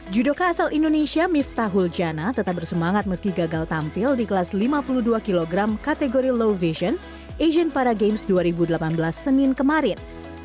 judoka asal indonesia miftahul jana tetap bersemangat meski gagal tampil di kelas lima puluh dua kg kategori low vision asian paragames dua ribu delapan belas senin kemarin